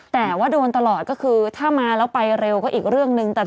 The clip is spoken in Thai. แต่ว่าโดนตลอดก็คือถ้ามาแล้วไปเร็วก็อีกเรื่องหนึ่ง